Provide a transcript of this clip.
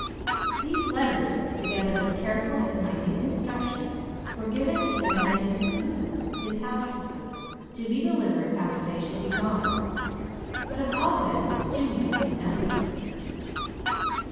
These letters, together with careful and minute instructions, were given into the hands of Susan, his housekeeper, to be delivered after they should be gone. But of all this Jimmy knew nothing.